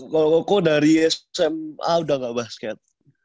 kalau koko dari sma udah gak basket